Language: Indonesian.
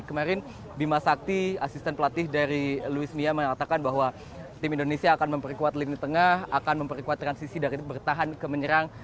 kemarin bima sakti asisten pelatih dari louis mia mengatakan bahwa tim indonesia akan memperkuat lini tengah akan memperkuat transisi dari bertahan ke menyerang